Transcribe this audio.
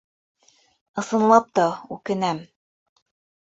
... Ысынлап та, үкенәм.